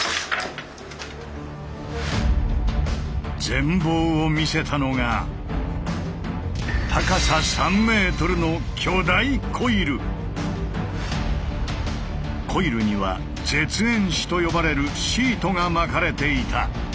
全貌を見せたのがコイルには絶縁紙と呼ばれるシートが巻かれていた。